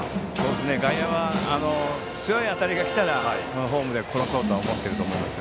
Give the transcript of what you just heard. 外野は強い当たりが来たらホームで殺そうとは思っていると思います。